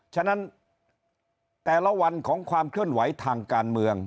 ฉะนั้นแต่ละวันของความเคลื่อนไหวทางการเมือง